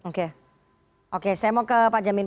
oke oke saya mau ke pak jamin